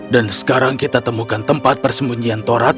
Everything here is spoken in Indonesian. dan sekarang kita temukan tempat persembunyian thorat